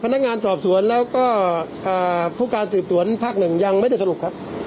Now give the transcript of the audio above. พนักงานสอบสวนแล้วก็ผู้การสืบสวนภาคหนึ่งยังไม่ได้สรุปครับ